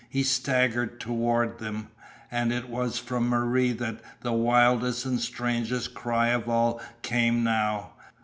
He staggered toward them, and it was from Marie that the wildest and strangest cry of all came now.